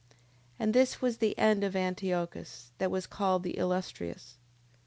10:9. And this was the end of Antiochus, that was called the Illustrious.